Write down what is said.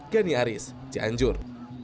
gani aris cianjur